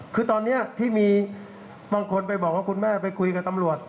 คือตอนนี้ที่มีบางคนไปบอกว่าคุณแม่ไปคุยกับตำรวจ